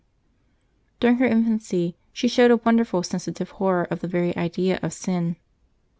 During her infancy she showed a wonderfully sensitive horror of the very idea of sin.